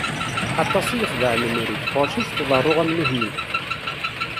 Aṭas i yexdeɛ lemri, ɣuṛ-k i k-tḍeṛṛu am nutni!